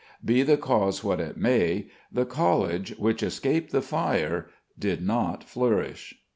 Be the cause what it may, the College, which escaped the fire, did not flourish.